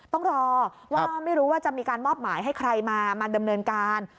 ต้องรอว่าไม่รู้ว่าจะมีการมอบหมายให้ใครมามาดำเนินการ